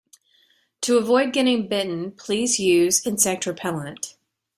To avoid getting bitten, please use insect repellent